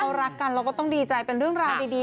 รักกันเราก็ต้องดีใจเป็นเรื่องราวดี